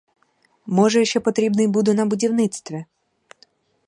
Може, я ще потрібний буду на будівництві.